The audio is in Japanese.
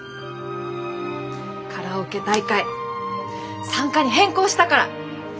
カラオケ大会参加に変更したから！